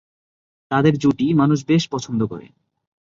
তাদের জুটি মানুষ বেশ পছন্দ করে।